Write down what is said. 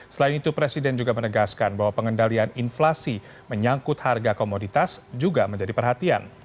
selain itu presiden juga menegaskan bahwa pengendalian inflasi menyangkut harga komoditas juga menjadi perhatian